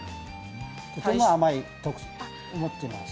とても甘い特性を持ってます。